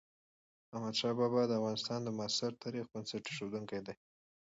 احمدشاه بابا د افغانستان د معاصر تاريخ بنسټ اېښودونکی دی.